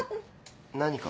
何か？